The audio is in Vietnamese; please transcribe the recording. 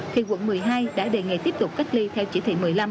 thì quận một mươi hai đã đề nghị tiếp tục cách ly theo chỉ thị một mươi năm